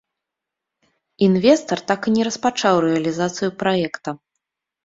Інвестар так і не распачаў рэалізацыю праекта.